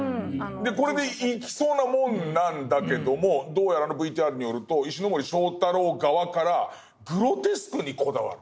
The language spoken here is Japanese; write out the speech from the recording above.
これでいきそうなもんなんだけどもどうやらあのＶＴＲによると石森章太郎側からグロテスクにこだわる。